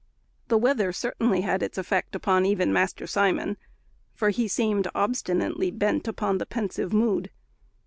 The weather certainly had its effect even upon Master Simon, for he seemed obstinately bent upon the pensive mood.